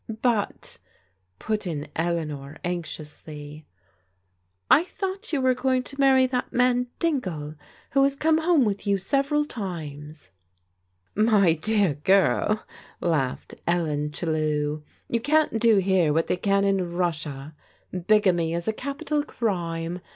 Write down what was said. ft . tf ft THE "GOOD FRIEND'* 217 "But," put in Eleanor anxiously, "I thought that you were going to marry that man Dingle who has come liome with you several times/' " My dear girl," laughed Ellen dellew, " you can't <lo here what they can in Russia. Bigamy is a capital crime.